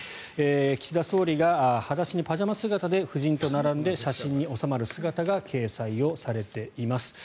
岸田総理が裸足にパジャマ姿で夫人と並んで写真に納まる姿が掲載されています。